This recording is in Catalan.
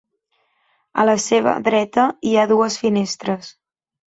A la seva dreta hi ha dues finestres.